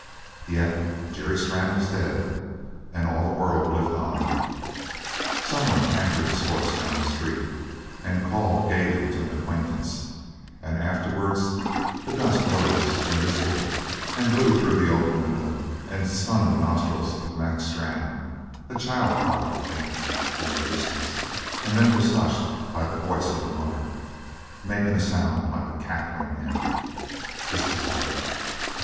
Yet Jerry Strann was dead and all the world lived on. Someone cantered his horse down the street and called gayly to an acquaintance, and afterwards the dust rose, invisible, and blew through the open window and stung the nostrils of Mac Strann. A child cried, faintly, in the distance, and then was hushed by the voice of the mother, making a sound like a cackling hen. This was all!